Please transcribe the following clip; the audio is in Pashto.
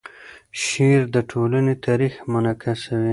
شعر د ټولنې تاریخ منعکسوي.